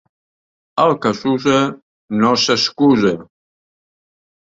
El que s'usa no s'excusa.